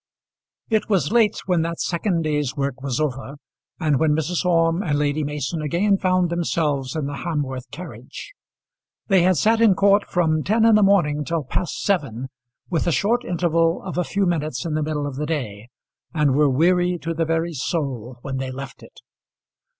It was late when that second day's work was over, and when Mrs. Orme and Lady Mason again found themselves in the Hamworth carriage. They had sat in court from ten in the morning till past seven, with a short interval of a few minutes in the middle of the day, and were weary to the very soul when they left it.